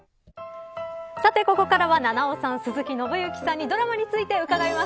ここからは菜々緒さん、鈴木伸之さんにドラマについて伺います。